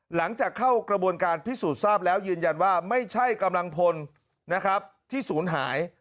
หลังจากเข้ากระบวนการพิสูจน์ทราบแล้วยืนยันว่าไม่ใช่กำลังพลนะครับที่ศูนย์หาย